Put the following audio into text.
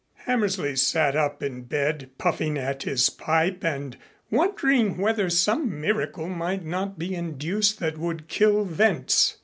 Hammersley sat up in bed puffing at his pipe and wondering whether some miracle might not be induced that would kill Wentz.